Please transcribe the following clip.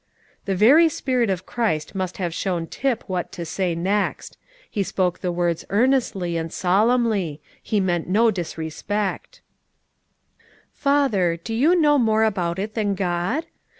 The very Spirit of Christ must have shown Tip what to say next. He spoke the words earnestly and solemnly; he meant no disrespect: "Father, do you know more about it than God?